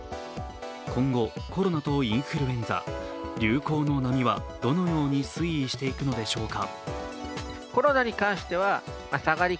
今後、コロナとインフルエンザ、流行の波はどのように推移していくのでしょうか。